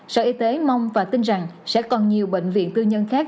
sở y tế mong và tin rằng sẽ còn nhiều bệnh viện tư nhân khác